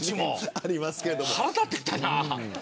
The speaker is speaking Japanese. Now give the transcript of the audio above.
腹立ってきたな。